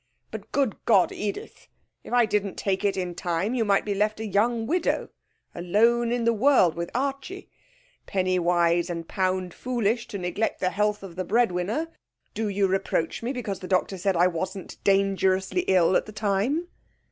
'But, good God, Edith! If I didn't take it in time, you might be left a young widow, alone in the world, with Archie. Penny wise and pound foolish to neglect the health of the breadwinner! Do you reproach me because the doctor said I wasn't dangerously ill at the time?'